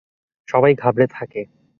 সবাই ঘাবড়ে থাকে।